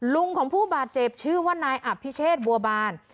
ลุงของผู้บาดเจ็บชื่อว่านายอภิเชษบัวบาน